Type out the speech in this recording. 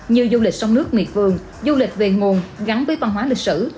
như du lịch sông nước miệt vườn du lịch về nguồn gắn với văn hóa lịch sử